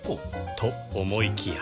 と思いきや